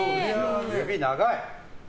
指、長い！